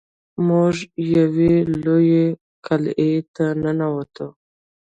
موږ یوې لویې قلعې ته ننوتو.